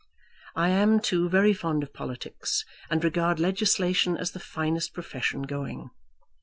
I am, too, very fond of politics, and regard legislation as the finest profession going.